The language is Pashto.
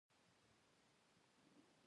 دوی په بازارونو کې د توازن لپاره هڅه کوي